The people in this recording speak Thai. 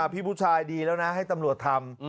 พี่ผู้ชายดีแล้วนะให้ตำรวจทำ